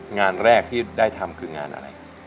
งานแรกที่ได้ทำคืองานอะไร